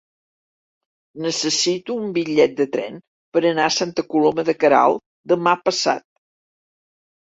Necessito un bitllet de tren per anar a Santa Coloma de Queralt demà passat.